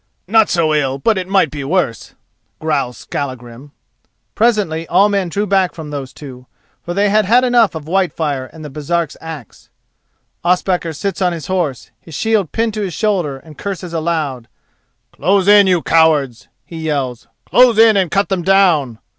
"Not so ill but it might be worse," growls Skallagrim. Presently all men drew back from those two, for they have had enough of Whitefire and the Baresark's axe. Ospakar sits on his horse, his shield pinned to his shoulder and curses aloud. "Close in, you cowards!" he yells, "close in and cut them down!"